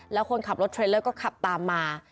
แล้วคนขับรถเทรลเลอร์ก็ขับตามมา